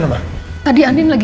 aku mohon korban d sava ya